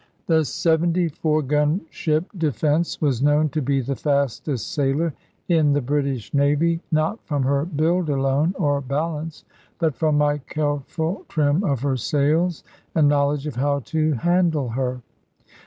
The 74 gun ship Defence was known to be the fastest sailer in the British Navy; not from her build alone, or balance, but from my careful trim of her sails, and knowledge of how to handle her.